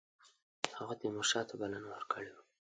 هغه تیمورشاه ته بلنه ورکړې وه.